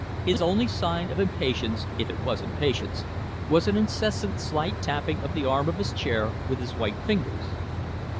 His only sign of impa tience if it was impatience was an incessant slight tapping of the arm of his chair with his white fingers.